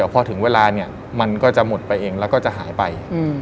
พอถึงเวลามันก็จะหมดไปเองและหายไป